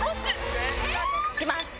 いきます。